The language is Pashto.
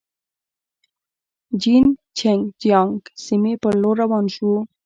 جین چنګ جیانګ سیمې پر لور روان شوو.